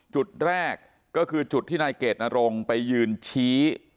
จุดแรกก็คือจุดที่นายเกดนรงไปยืนชี้